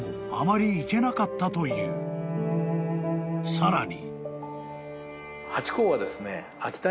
［さらに］